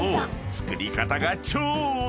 作り方が超簡単！］